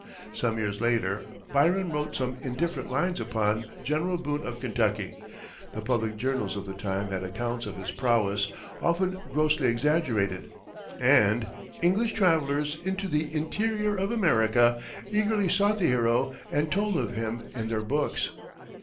Some years later Byron wrote some indifferent lines upon "General Boone of Kentucky;" the public journals of the time had accounts of his prowess, often grossly exaggerated; and English travelers into the interior of America eagerly sought the hero and told of him in their books.